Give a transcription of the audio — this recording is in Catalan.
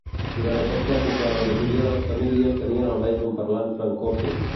Durant aquesta època la majoria de les famílies tenien almenys un parlant francòfon.